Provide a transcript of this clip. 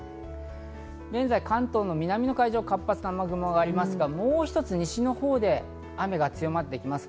現在、関東の南の海上を活発な雨雲がありますが、もう一つ西のほうで雨が強まってきます。